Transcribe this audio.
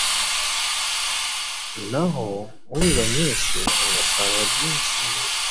naho ubiba nyinshi, azasarura byinshi.